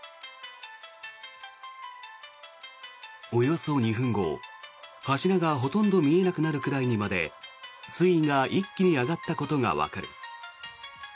およそ２分後、柱がほとんど見えなくなるくらいにまで水位が一気に上がったことがわかる。